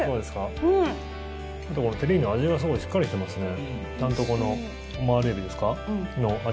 テリーヌの味がしっかりしてますね。